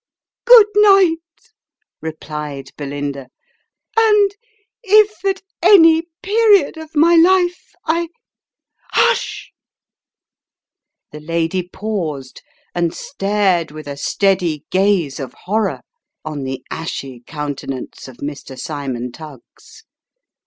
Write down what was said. " Good night !" replied Belinda ;" and, if at any period of my life, I Hush !" The lady paused and stared with a steady gaze of horror, on the ashy countenance of Mi 1 . Cymon Tuggs.